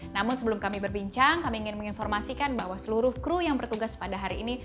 namun sebelum kami berbincang kami ingin menginformasikan bahwa seluruh kru yang bertugas pada hari ini